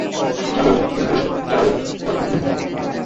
চল করে ফেলি।